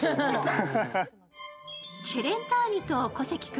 チェレンターニと小関君